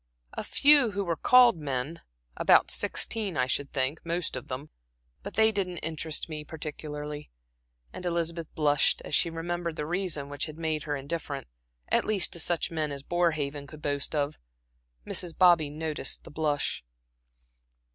"A few who were called men about sixteen, I should think most of them but they didn't interest me particularly." And Elizabeth blushed, as she remembered the reason which had made her indifferent, at least to such men as Borehaven could boast of. Mrs. Bobby noticed the blush.